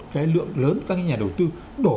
cái lượng lớn các nhà đầu tư đổ